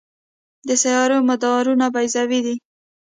د سیارو مدارونه بیضوي دي.